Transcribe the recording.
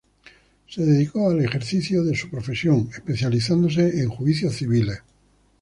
Se dedicó al ejercicio de su profesión, especializándose en juicios civiles.